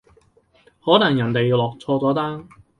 可能人哋落錯咗單